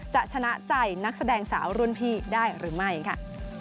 ชนะใจนักแสดงสาวรุ่นพี่ได้หรือไม่ค่ะ